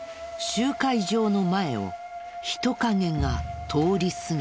集会場の前を人影が通り過ぎた。